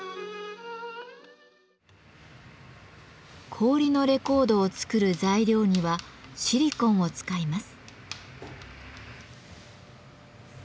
氷のレコードを作る材料にはシリコンを使います。